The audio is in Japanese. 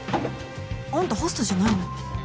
あんたホストじゃないの？